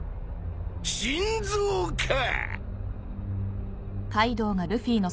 心臓か？